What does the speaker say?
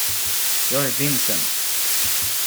Jag är Vincent.